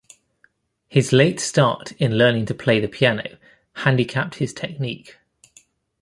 His late start in learning to play the piano handicapped his technique.